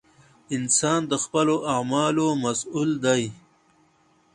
• انسان د خپلو اعمالو مسؤل دی.